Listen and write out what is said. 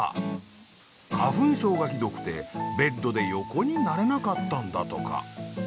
花粉症がひどくてベッドで横になれなかったんだとか。